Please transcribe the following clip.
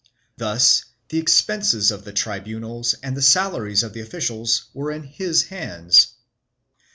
Thus the expenses of the tribunals and the salaries of the officials were in his hands.